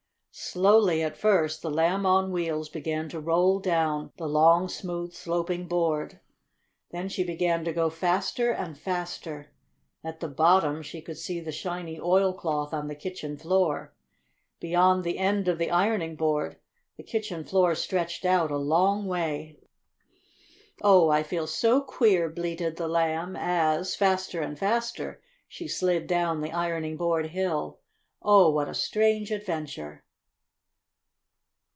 Slowly at first, the Lamb on Wheels began to roll down the long, smooth, sloping board. Then she began to go faster and faster. At the bottom she could see the shiny oilcloth on the kitchen floor. Beyond the end of the ironing board the kitchen floor stretched out a long way. "Oh, I feel so queer!" bleated the Lamb as, faster and faster, she slid down the ironing board hill. "Oh, what a strange adventure!"